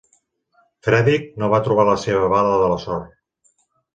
Fedric no va trobar la seva bala de la sort.